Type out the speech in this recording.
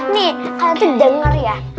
nih kalau tuh denger ya